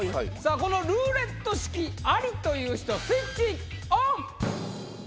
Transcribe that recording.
このルーレット式「あり」という人はスイッチオン！